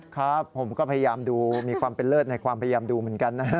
ครับผมก็พยายามดูมีความเป็นเลิศในความพยายามดูเหมือนกันนะฮะ